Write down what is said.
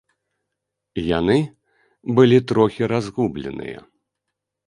Яны былі трохі разгубленыя.